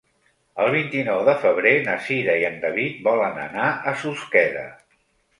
El vint-i-nou de febrer na Cira i en David volen anar a Susqueda.